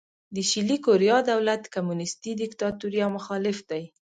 د شلي کوریا دولت کمونیستي دیکتاتوري او مخالف دی.